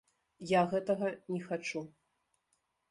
Я гэтага не хачу.